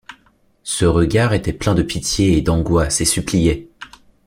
Ce regard était plein de pitié et d’angoisse et suppliait.